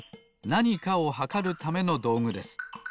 なにかをはかるためのどうぐです。